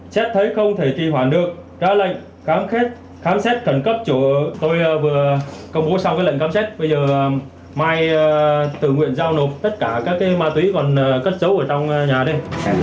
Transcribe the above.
xét thấy không thể kỳ hoàn được ra lệnh khám xét khẩn cấp tôi vừa công bố xong lệnh khám xét bây giờ mai tự nguyện giao nộp tất cả các ma túy còn cất chấu ở trong nhà đây